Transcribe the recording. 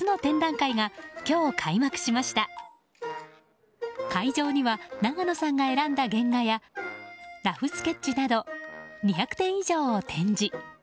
会場にはナガノさんが選んだ原画やラフスケッチなど２００点以上を展示。